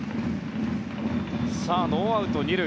ノーアウト２塁。